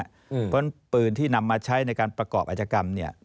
เพราะฉะนั้นปืนที่นำมาใช้ในการประกอบอาจกรรมเนี่ย